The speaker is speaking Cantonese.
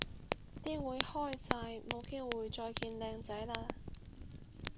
啲會開晒冇機會再見靚仔嘞